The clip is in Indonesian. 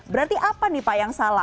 berarti apa nih pak yang salah